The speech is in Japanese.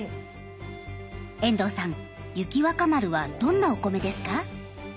遠藤さん雪若丸はどんなお米ですか？